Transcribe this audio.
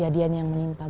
dan itu perlu dipush